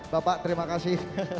bapak terima kasih